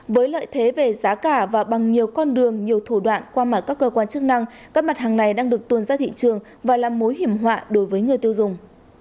với lợi thế về giá cả và bằng nhiều con đường nhiều thủ đoạn qua mặt các cơ quan chức năng các mặt hàng này đang được tuần ra thị trường và là mối hiểm họa đối với người tiêu dùng